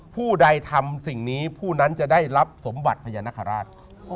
ผู้ใดทำสิ่งนี้ผู้นั้นจะได้รับสมบัติพญานาคาราช